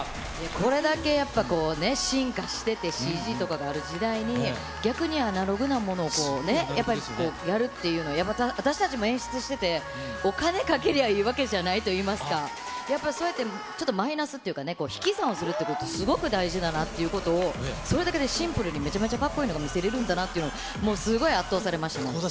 これだけやっぱこうね、進化してて、ＣＧとかがある時代に、逆にアナログなものをね、やっぱりやるっていうのは、やっぱ私たちも演出してて、お金かけりゃいいわけじゃないといいますか、やっぱそうやって、ちょっとマイナスっていうかね、引き算をするっていうこと、すごく大事だなっていうことを、それだけでシンプルにめちゃめちゃかっこいいのが見せれるんだなっていうのを、もうすごい圧倒されました、もう。